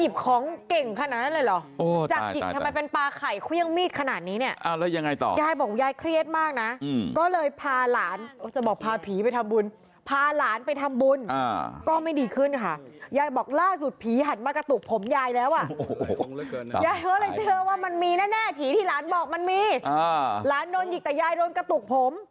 บอกมันมีอ่าหลานโดนยิคแต่ยายโดนกระตุกผมลูก